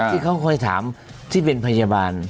ที่เขาคอยถามที่เป็นพยาบาล